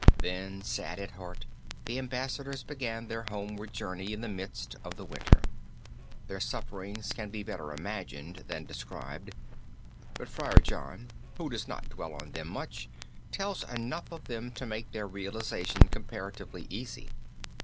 Then sad at heart, the ambassadors began their homeward journey in the midst of the winter. Their sufferings can be better imagined than described, but Friar John who does not dwell on them much tells enough of them to make their realization comparatively easy.